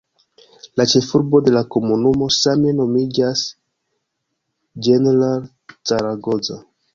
La ĉefurbo de la komunumo same nomiĝas "General Zaragoza".